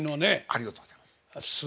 ありがとうございます。